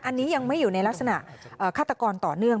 อันนี้ยังไม่อยู่ในลักษณะฆาตกรต่อเนื่อง